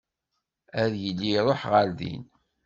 Ad yili iruḥ ɣer din.